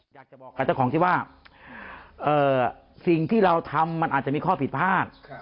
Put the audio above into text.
อยากจะบอกกับเจ้าของที่ว่าสิ่งที่เราทำมันอาจจะมีข้อผิดพลาด